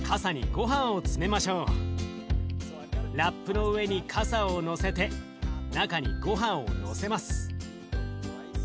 ラップの上にかさをのせて中にごはんをのせます。